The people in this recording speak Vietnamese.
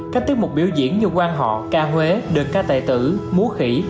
các tiết mục biểu diễn như quan họ ca huế đơn ca tài tử múa khỉ